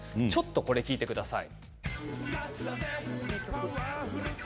この曲を聴いてください。